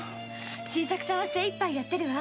新作さんは精一杯やってるわ。